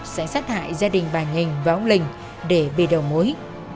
sẽ sát hại gia đình bà hình và ông linh để bị đầu mối